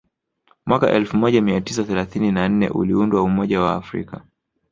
Mwaka elfu moja mia tisa thelathini na nne uliundwa umoja wa Waafrika